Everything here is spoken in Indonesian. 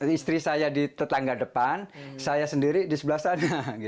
istri saya di tetangga depan saya sendiri di sebelah sana